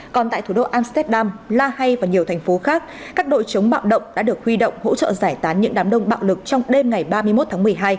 còn tại thủ đô amsterdam lahay và nhiều thành phố khác các đội chống bạo động đã được huy động hỗ trợ giải tán những đám đông bạo lực trong đêm ngày ba mươi một tháng một mươi hai